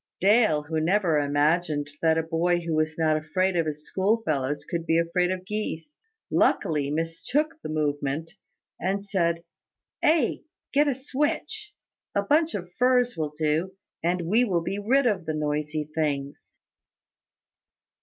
Dale, who never imagined that a boy who was not afraid of his schoolfellows could be afraid of geese, luckily mistook the movement, and said, "Ay, get a switch, a bunch of furze will do, and we will be rid of the noisy things."